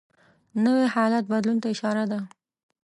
نوی حالت بدلون ته اشاره ده